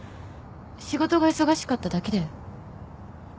仕事が忙しかっただけだよ。